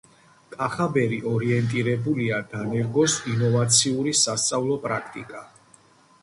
კახაბერი ორიენტირებულია დანერგოს ინოვაციური სასწავლო პრაქტიკა,